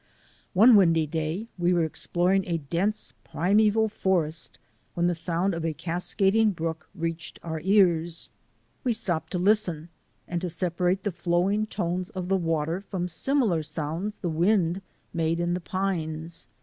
One windy day we were exploring a dense prime val forest when the sound of a cascading brook reached our ears. We stopped to listen and to separate the flowing tones of the water from simi lar sounds the wind made in the pines.